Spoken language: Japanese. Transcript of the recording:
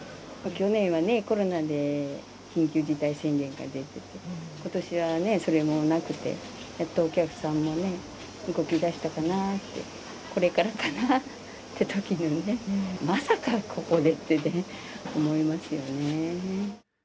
去年はね、コロナで緊急事態宣言が出てて、ことしはね、それもなくて、やっとお客さんもね、動きだしたかなって、これからかなってときにね、まさかここでって思いますよね。